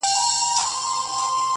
و خاوند لره پیدا یې ورک غمی سو,